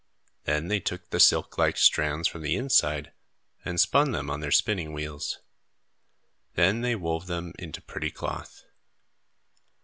Then they took the silk like strands from the inside and spun them on their spinning wheels. Then they wove them into pretty cloth.